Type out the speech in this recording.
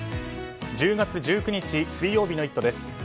１０月１９日、水曜日の「イット！」です。